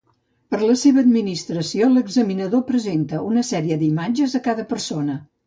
Per a la seva administració, l'examinador presenta una sèrie d'imatges a cada persona.